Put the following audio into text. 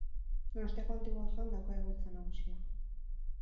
Donostiako Antiguo auzoan dauka egoitza nagusia.